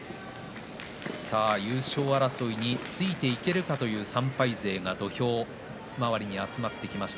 優勝争いについていけるかという３敗勢が土俵周りに集まってきました。